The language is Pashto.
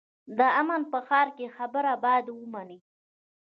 د امن په ښار کې خبره باید ومنې.